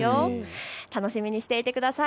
楽しみにしていてください。